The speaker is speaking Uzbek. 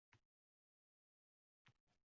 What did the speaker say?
— Gaplashaylik ona, marhamat.